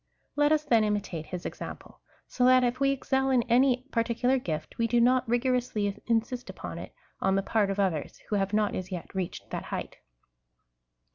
Let us, then, imitate his example, so that if we excel in any parti cular gift, we do not rigorously insist upon it on the part of others, who have not as yet reached that height.